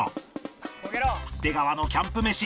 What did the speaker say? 出川のキャンプ飯